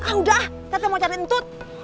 ah udah teteh mau cari untut